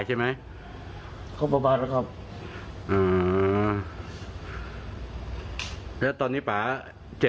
จากกลรงกรบส่งโว้ยพลุกเรียนเตี๊ยวฮะ